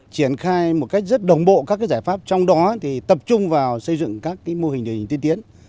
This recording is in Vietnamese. triển khai một cách rất đồng bộ các giải pháp trong đó tập trung vào xây dựng các mô hình điển hình tiên tiến